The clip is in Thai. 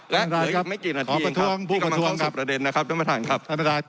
และเหลืออีกไม่กี่นาทีที่กำลังเข้าสู่ประเด็นนะครับน้ำประธานครับ